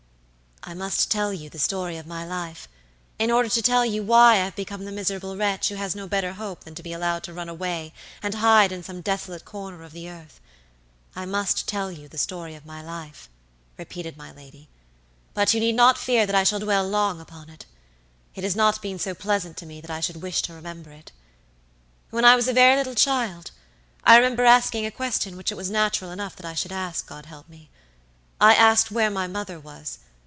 "I must tell you the story of my life, in order to tell you why I have become the miserable wretch who has no better hope than to be allowed to run away and hide in some desolate corner of the earth. I must tell you the story of my life," repeated my lady, "but you need not fear that I shall dwell long upon it. It has not been so pleasant to me that I should wish to remember it. When I was a very little child I remember asking a question which it was natural enough that I should ask, God help me! I asked where my mother was.